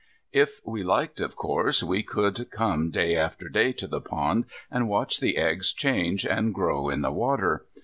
If we liked, of course, we could come day after day to the pond, and watch the eggs change and grow in the water.